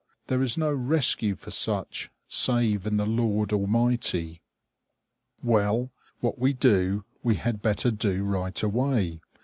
There is no rescue for such, save in the Lord Almighty. Well, what we do, we had better do right away.